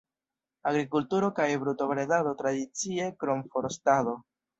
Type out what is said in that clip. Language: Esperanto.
Agrikulturo kaj brutobredado tradicie, krom forstado.